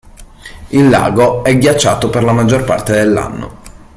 Il lago è ghiacciato per la maggior parte dell'anno.